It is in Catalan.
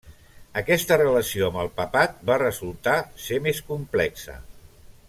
Aquesta relació amb el papat va resultar ser més complexa.